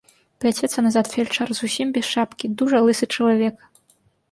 Пляцецца назад фельчар, зусім без шапкі, дужа лысы чалавек.